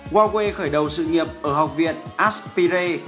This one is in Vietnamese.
huawei khởi đầu sự nghiệp ở học viện aspire